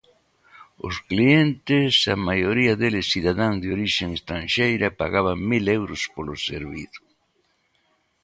Os clientes, a maioría deles cidadáns de orixe estranxeira, pagaban mil euros polo servizo.